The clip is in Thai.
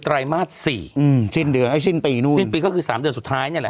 ตมาสสี่อืมสินเดือนในสินปีนู่นยี่ก็คือสามเดือนสุดท้ายนี่แหละ